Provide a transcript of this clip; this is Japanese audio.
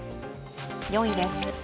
４位です。